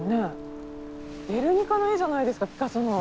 「ゲルニカ」の絵じゃないですかピカソの。